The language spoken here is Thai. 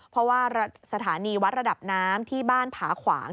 เพราะว่าสถานีวัดระดับน้ำที่บ้านผาขวาง